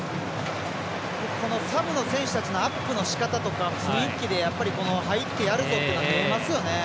サブの選手たちのアップのしかたとか雰囲気で入ってやるぞというのが見えますよね。